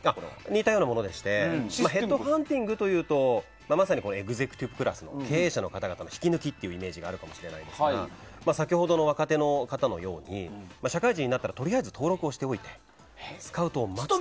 似たようなものでしてヘッドハンティングというとまさにエグゼクティブクラスの経営者の方々の引き抜きというイメージがあるかもしれないですが先ほどの若手の方のように社会人になったらとりあえず登録をしておいてスカウトを待つと。